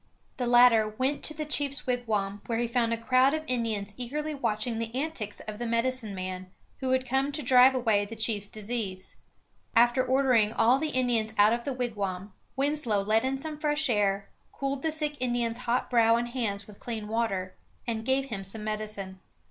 The latter went to the chief's wigwam, where he found a crowd of Indians eagerly watching the antics of the medicine man, who had come to drive away the chief's disease. After ordering all the Indians out of the wigwam, Winslow let in some fresh air, cooled the sick Indian's hot brow and hands with clean water, and gave him some medicine.